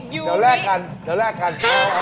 อยู่นี้เจ๊น้ำมีเหรียญอ่อนไหม